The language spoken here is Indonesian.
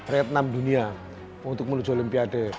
red enam dunia untuk menuju olimpiade